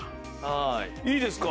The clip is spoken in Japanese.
いいですか？